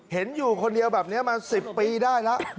เห็นอยู่คนเดียวแบบนี้มา๑๐ปีได้แล้ว